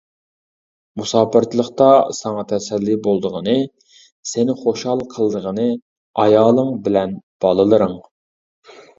مۇساپىرچىلىقتا ساڭا تەسەللى بولىدىغىنى، سېنى خۇشال قىلىدىغىنى ئايالىڭ بىلەن باللىرىڭ.